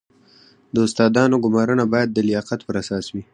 د استادانو ګمارنه باید د لیاقت پر اساس وي